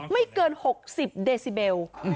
ไม่เกิน๖๐เดซิเบล